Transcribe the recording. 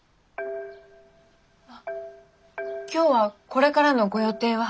今日はこれからのご予定は？